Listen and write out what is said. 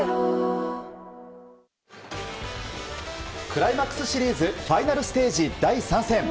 クライマックスシリーズファイナルステージ第３戦。